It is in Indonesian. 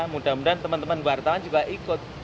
mudah mudahan teman teman wartawan juga ikut